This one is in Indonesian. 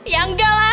ya enggak lah